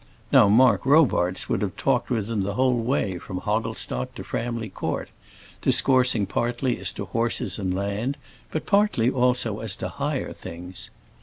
Now Mark Robarts would have talked with him the whole way from Hogglestock to Framley Court; discoursing partly as to horses and land, but partly also as to higher things.